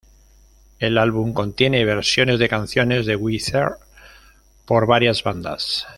El álbum contiene versiones de canciones de Weezer por varias bandas.